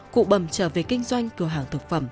cụ bầm trở về kinh doanh cửa hàng thực phẩm